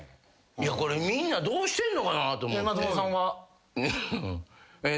いやこれみんなどうしてんのかなと思って。